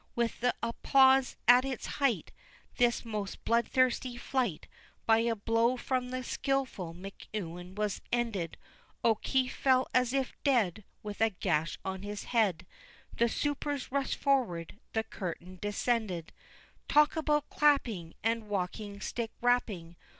With th' applause at its height, This most bloodthirsty fight, By a blow from the skilful McEwen was ended. O'Keefe fell as if dead, With a gash on his head; The supers rushed forward, the curtain descended. Talk about clapping! And walking stick rapping!